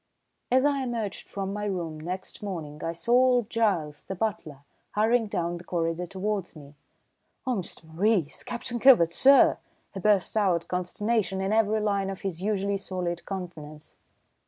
As I emerged from my room next morning I saw old Giles, the butler, hurrying down the corridor towards me. "Oh, Mr. Maurice Captain Kilvert, sir!" he burst out, consternation in every line of his usually stolid countenance.